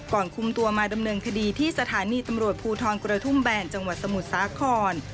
คุมตัวมาดำเนินคดีที่สถานีตำรวจภูทรกระทุ่มแบนจังหวัดสมุทรสาคร